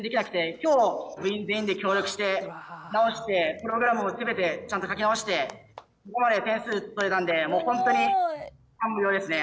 今日部員全員で協力して直してプログラムを全てちゃんと書き直してここまで点数取れたんでもう本当に感無量ですね。